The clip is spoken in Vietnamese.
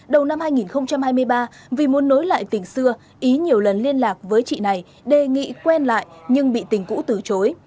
đầu năm hai nghìn hai mươi ba vì muốn nối lại tình xưa ý nhiều lần liên lạc với chị này đề nghị quen lại nhưng bị tình cũ từ chối